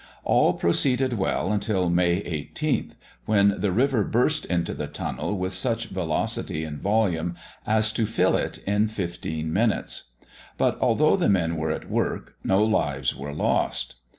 All proceeded well till May 18, when the river burst into the Tunnel with such velocity and volume, as to fill it in fifteen minutes; but, although the men were at work, no lives were lost.